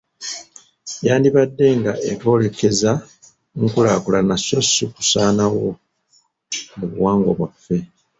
Yandibaddenga etwolekeza nkulaakulana so si kusaanawo mu buwangwa bwaffe.